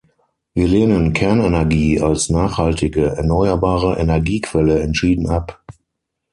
Wir lehnen Kernenergie als nachhaltige, erneuerbare Energiequelle entschieden ab.